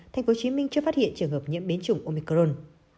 tp hcm chưa phát hiện trường hợp nhiễm biến chủng omicron